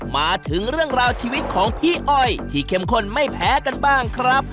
มาถึงเรื่องราวชีวิตของพี่อ้อยที่เข้มข้นไม่แพ้กันบ้างครับ